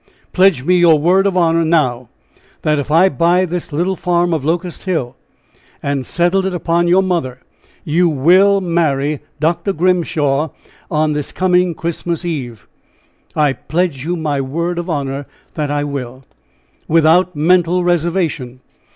"Pledge me your word of honor, now, that if I buy this little farm of Locust Hill, and settle it upon your mother, you will marry Dr. Grimshaw on this coming Christmas Eve?" "I pledge you my word of honor that I will" "Without mental reservation?"